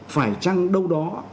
phải chăng đâu đó